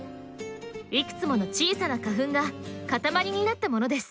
いくつもの小さな花粉が塊になったものです。